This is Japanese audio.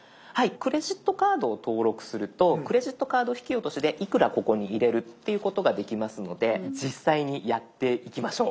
クレジットカードを登録するとクレジットカード引き落としでいくらここに入れるっていうことができますので実際にやっていきましょう。